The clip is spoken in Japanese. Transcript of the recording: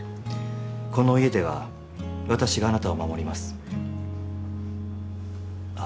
この家では私があなたを守りますあっ